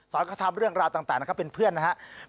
สอนให้เขาทำเรื่องราวต่างเป็นเพื่อนนะครับ